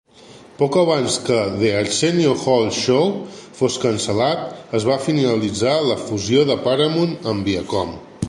Poc abans que "The Arsenio Hall Show" fos cancel·lat, es va finalitzar la fusió de Paramount amb Viacom.